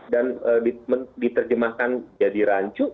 dan diterjemahkan jadi rancu